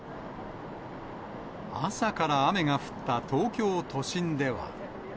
朝から雨が降った東京都心では。